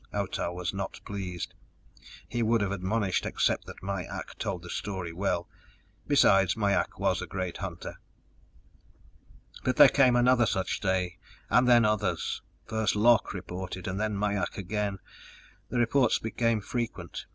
Otah was not pleased. He would have admonished, except that Mai ak told a story well; besides, Mai ak was a great hunter. But there came another such day, and then others. First Lok reported and then Mai ak again. The reports became frequent.